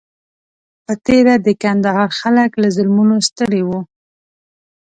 په تېره د کندهار خلک له ظلمونو ستړي وو.